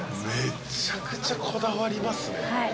めちゃくちゃこだわりますね。